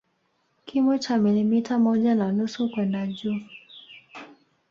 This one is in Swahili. Kimo cha milimita moja na nusu kwenda juu